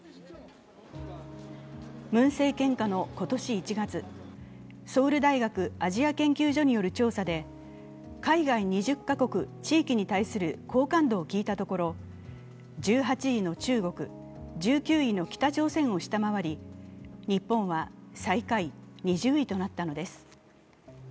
ムン政権下の今年１月、ソウル大学アジア研究所による調査で、海外２０カ国・地域に対する好感度を聞いたところ、１８位の中国、１９位の北朝鮮を下回り日本は最下位２０位となったのです。